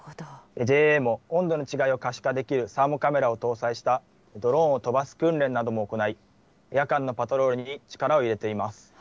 ＪＡも温度の違いを可視化できるサーモカメラを搭載したドローンを飛ばす訓練なども行い、夜間のパトロールに力を入れています。